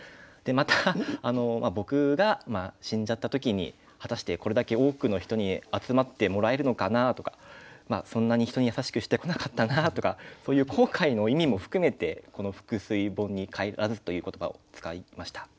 でまた僕が死んじゃった時に果たしてこれだけ多くの人に集まってもらえるのかなとかそんなに人に優しくしてこなかったなとかそういう後悔の意味も含めてこの「覆水盆に返らず」という言葉を使いました。